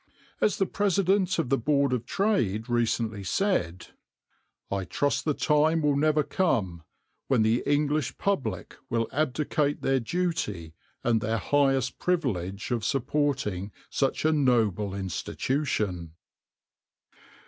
As the President of the Board of Trade recently said: "I trust the time will never come when the English public will abdicate their duty and their highest privilege of supporting such a noble Institution."